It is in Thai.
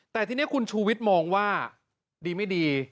แต่ทีนี้คุณชูวิทย์มองว่าดีไม่ดี